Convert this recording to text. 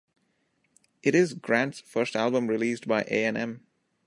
It is Grant's first album released by A and M.